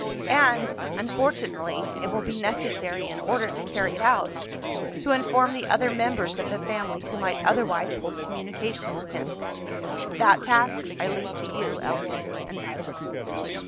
"And, unfortunately, it will be necessary, in order to carry it out, to inform the other members of the family, who might otherwise hold communication with him. "That task I leave to you, Elsie and Violet."